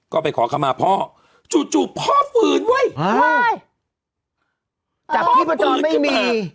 ก็ไปขอคำมาพ่อจู่จู่พ่อฝืนเว้ยอ่าจากที่ประจอนไม่มี